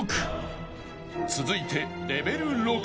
［続いて］